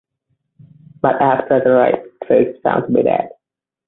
But after the rapes she is found to be dead.